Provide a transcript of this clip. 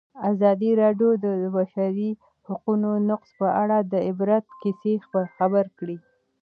ازادي راډیو د د بشري حقونو نقض په اړه د عبرت کیسې خبر کړي.